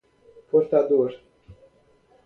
portador